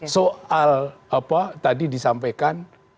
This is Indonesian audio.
soal apa tadi disampaikan